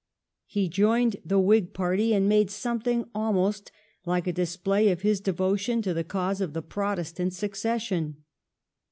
He joined the Whig Party, and made something almost like a display of his devotion to the cause of the Protestant succession.